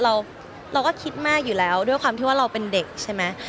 เราก็คิดมากอยู่แล้วด้วยความที่ว่าเราเป็นเด็กใช่ไหม